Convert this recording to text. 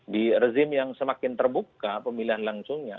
di rezim yang semakin terbuka pemilihan langsungnya